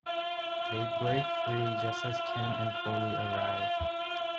They break free just as Kim and Foley arrive.